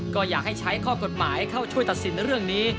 ก็อยากให้ใช้ข้อกฎหมายเข้าช่วยตัดสินเรื่องนี้